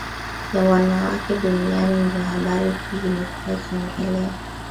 ya wanawake duniani ndio habari hii imekuwa ikiongelewa